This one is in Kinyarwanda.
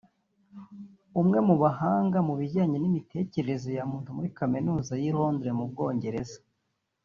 umwe mu bahanga mu bijyanye n’imitekerereze ya muntu muri kaminuza y’i Londre mu Bwongereza